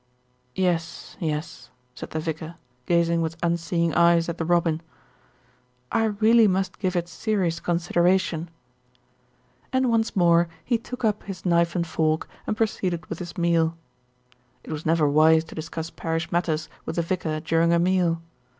"Yes, yes," said the vicar, gazing with unseeing eyes at the robin. "I really must give it serious considera THE VICAR DECIDES TO ACT 59 tion," and once more he took up his knife and fork and proceeded with his meal. It was never wise to discuss parish matters with the vicar during a meal.